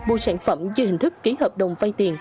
mua sản phẩm dưới hình thức ký hợp đồng vay tiền